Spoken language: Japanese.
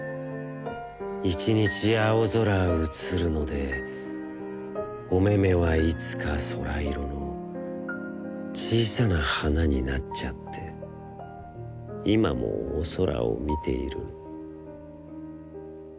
一日青ぞらうつるので、おめめはいつか、空いろの、小さな花になっちゃって、いまもお空をみているの。